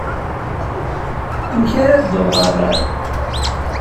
Amek ara dduɣ ɣer...?